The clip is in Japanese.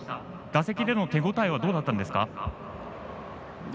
打席での手応えはどうだったんですか？